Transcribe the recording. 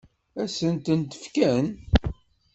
Ad sen-tent-fken?